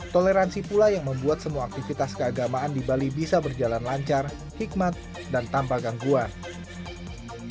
toleransi pula yang membuat semua aktivitas keagamaan di bali bisa berjalan lancar hikmat dan tanpa gangguan